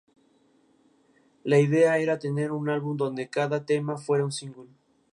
La idea era tener un álbum donde cada tema fuera un single.